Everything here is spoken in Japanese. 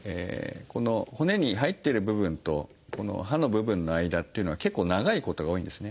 この骨に入っている部分とこの歯の部分の間っていうのは結構長いことが多いんですね。